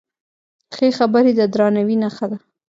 ښې خبرې د درناوي نښه ده.